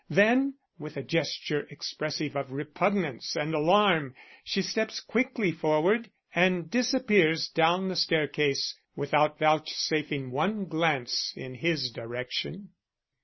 Then, with a gesture expressive of repugnance and alarm, she steps quickly forward and disappears down the staircase without vouchsafing one glance in his direction.